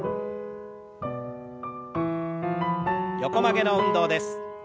横曲げの運動です。